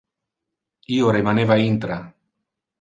Io remaneva intra.